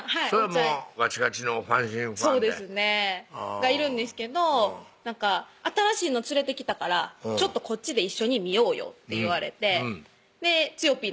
それガチガチの阪神ファンでそうですねがいるんですけどなんか「新しいの連れてきたからちょっとこっちで一緒に見ようよ」って言われてでつよ